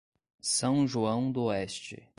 São João do Oeste